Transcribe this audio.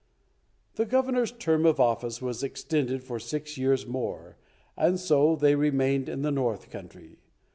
The Governor's term of office was extended for six years more, and so they remained in the north country.